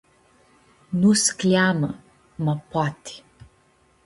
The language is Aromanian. Nu s-cljeamã, ma poati.